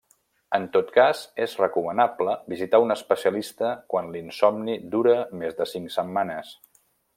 En tot cas, és recomanable visitar un especialista quan l'insomni dura més de cinc setmanes.